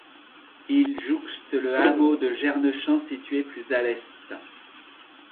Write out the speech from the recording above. Il jouxte le hameau de Gernechamps situé plus à l'est.